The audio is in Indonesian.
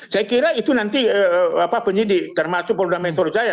saya kira itu nanti penyidik termasuk polda metro jaya